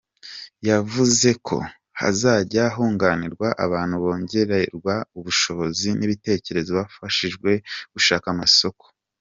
Yavuze ko hazajya hunganirwa abantu bongererwa ubushobozi n’ibitekerezo banafashwe gushaka amasoko.